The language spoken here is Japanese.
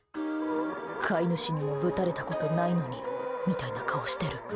飼い主にもぶたれたことないのにみたいな顔してる。